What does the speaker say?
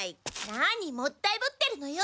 なにもったいぶってるのよ？